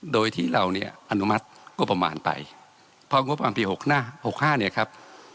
โดยที่เราเนี่ยอนุมัติงบประมาณไปเพราะงบประมาณปีหกห้าหกห้าเนี่ยครับ